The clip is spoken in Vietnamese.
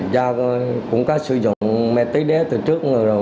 do cũng có sử dụng mét tí đế từ trước rồi